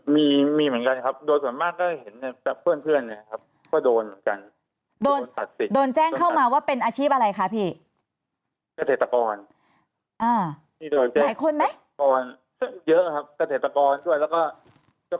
ไม่มีเหมือนกันครับส่วนมากจะเซียนเพื่อนดูแลเหมือนกัน